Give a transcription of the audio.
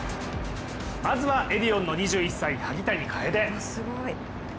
まずは、エディオンの２１歳萩谷楓。